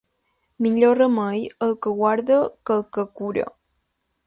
Millor remei el que guarda que el que cura.